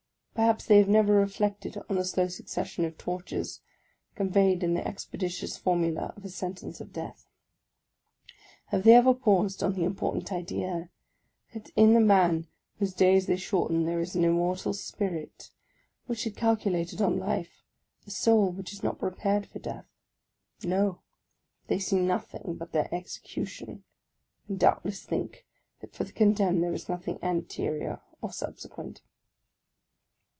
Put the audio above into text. Perhaps they have never reflected on the slow succession of tortures conveyed in the expeditious formula of a sentence of death. Have they ever paused on the important idea, that in the man whose days they shorten there is an immortal spirit which had calculated on life, a soul which is not prepared for death? No! they see nothing but the execution, and doubtless think that for the condemned there is nothing anterior or subse quent